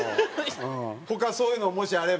他そういうのもしあれば。